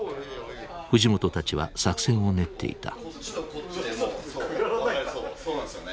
藤本たちは作戦を練っていた。